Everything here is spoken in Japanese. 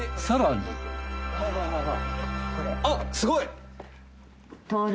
あっすごい！